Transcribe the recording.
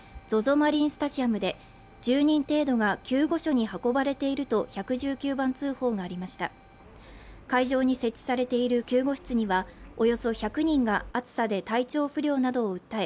マリンスタジアムで、１０人程度が救護所に運ばれていると１１９番通報がありました、会場に設置されている救護室にはおよそ１００人が暑さで体調不良などを訴え